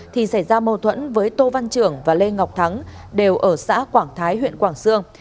thì xảy ra mâu thuẫn với tô văn trưởng và lê ngọc thắng đều ở xã quảng thái huyện quảng sương